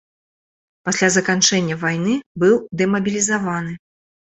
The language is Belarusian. Пасля заканчэння вайны быў дэмабілізаваны.